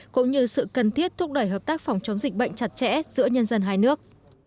cũng như sự cần thiết thúc đẩy hợp tác phòng chống dịch bệnh chặt chẽ giữa nhân dân hai nước